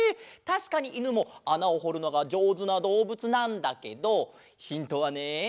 たしかにいぬもあなをほるのがじょうずなどうぶつなんだけどヒントはね